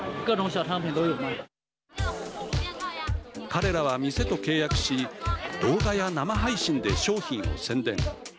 彼らは店と契約し動画や生配信で商品を宣伝。